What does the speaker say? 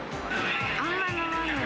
あんまり飲まない。